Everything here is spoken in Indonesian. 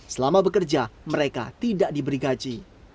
selama bekerja mereka tidak diberi gaji